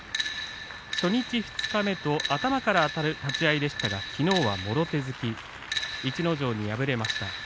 初日、二日目と頭からあたる立ち合いでしたがきのうは、もろ手突き逸ノ城に敗れました。